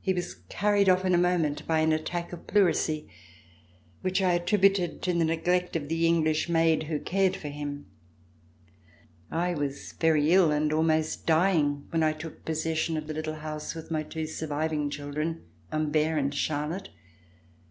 He was carried off in a moment by an attack of pleurisy which I attributed to the neglect of the English maid who cared for him. I was very ill and almost dying when I took possession of the little house with my two surviving children, Humbert and Charlotte.